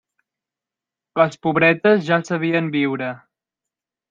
Les pobretes ja sabien viure.